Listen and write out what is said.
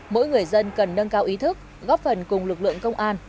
mỗi người dân cần nâng cao ý thức góp phần cùng lực lượng công an